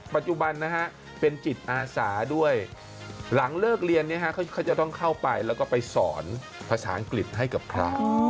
ปัจจุบันนะฮะเป็นจิตอาสาด้วยหลังเลิกเรียนเขาจะต้องเข้าไปแล้วก็ไปสอนภาษาอังกฤษให้กับพระ